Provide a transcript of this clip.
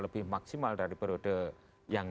lebih maksimal daripada yang